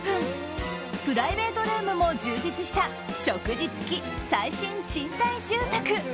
プライベートルームも充実した食事付き、最新賃貸住宅。